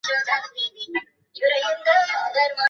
নিশ্চয় বনু মুকারিনের পরিবার ঈমানের পরিবারের অন্তর্ভুক্ত।